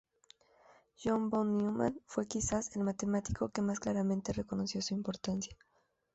John von Neumann fue quizás el matemático que más claramente reconoció su importancia.